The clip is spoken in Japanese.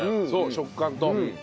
そう食感と。